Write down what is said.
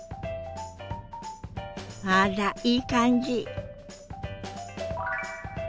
あらいい感じ！